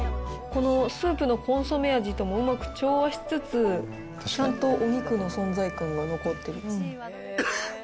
このスープのコンソメ味ともうまく調和しつつ、ちゃんとお肉の存在感が残ってる。